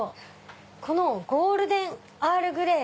この「ゴールデン・アールグレイ」。